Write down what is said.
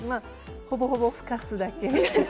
ほぼほぼふかすだけで。